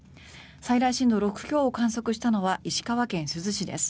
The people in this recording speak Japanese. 最大震度６強を観測したのは石川県珠洲市です。